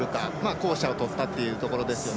後者を取ったというところです。